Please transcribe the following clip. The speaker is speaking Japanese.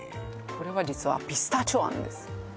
これは実はピスタチオ餡です